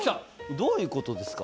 どういうことですか？